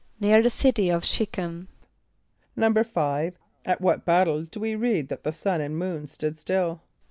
=Near the city of Sh[=e]'chem.= =5.= At what battle do we read that the sun and moon stood still?